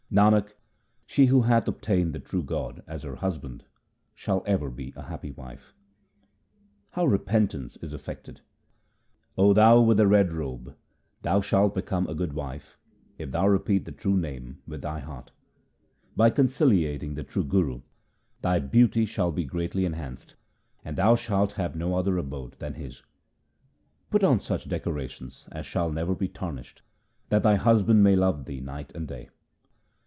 Nanak, she who hath obtained the true God as her Hus band, shall ever be a happy wife. How repentance is effected :— O thou with the red robe, 1 thou shalt become a good wife if thou repeat the true Name with thy heart. By conciliating the true Guru thy beauty shall be greatly enhanced, and thou shalt have no other abode than his. 1 Married women wear red. HYMNS OF GURU AMAR DAS 227 Put on such decorations as shall never be tarnished, that thy husband may love thee night and day.